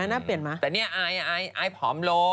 หน้าเปลี่ยนไหมแต่นี่ไอ้ไอ้ผอมลง